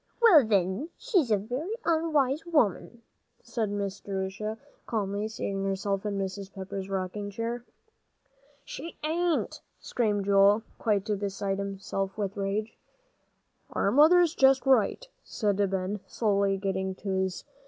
"Well, then, she's a very unwise woman," said Miss Jerusha, calmly seating herself in Mrs. Pepper's rocking chair. "She ain't!" screamed Joel, quite beside himself with rage. "Our mother's just right," said Ben, slowly getting to his feet.